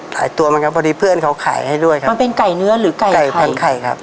ตัวมันครับพอดีเพื่อนเขาขายให้ด้วยครับมันเป็นไก่เนื้อหรือไก่ไก่แผ่นไข่ครับ